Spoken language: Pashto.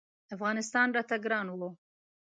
افغانستان راته ګران و.